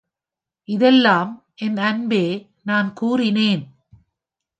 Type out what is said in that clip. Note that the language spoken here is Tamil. இதெல்லாம், என் அன்பே, நான் கூறினேன்.